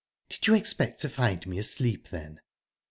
"Did you expect to find me asleep, then?"